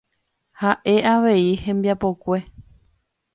Ha'e avei hembiapokue.